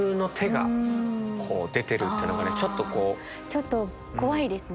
ちょっと怖いですね。